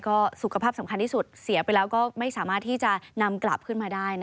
ก็สุขภาพสำคัญที่สุดเสียไปแล้วก็ไม่สามารถที่จะนำกลับขึ้นมาได้